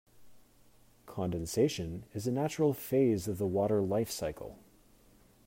Condensation is a natural phase of the water life cycle.